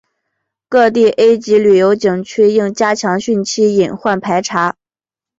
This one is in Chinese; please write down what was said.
各地 A 级旅游景区应加强汛期隐患排查